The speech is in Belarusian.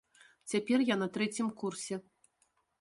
Цяпер я на трэцім курсе.